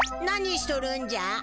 何しとるんじゃ？